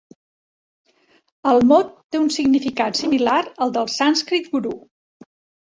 El mot té un significat similar al del sànscrit 'guru'.